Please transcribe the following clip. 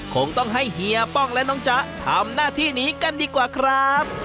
คงต้องให้เฮียป้องและน้องจ๊ะทำหน้าที่นี้กันดีกว่าครับ